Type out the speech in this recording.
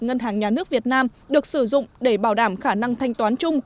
ngân hàng nhà nước việt nam được sử dụng để bảo đảm khả năng thanh toán chung